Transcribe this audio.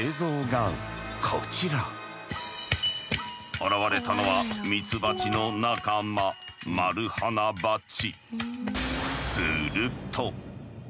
現れたのはミツバチの仲間マルハナバチ。